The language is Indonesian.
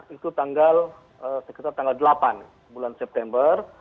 itu sekitar tanggal delapan bulan september